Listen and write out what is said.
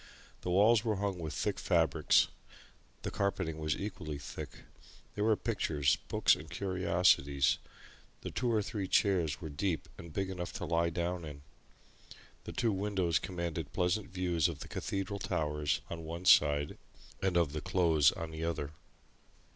The walls were hung with thick fabrics; the carpeting was equally thick; there were pictures, books, and curiosities; the two or three chairs were deep and big enough to lie down in; the two windows commanded pleasant views of the Cathedral towers on one side and of the Close on the other.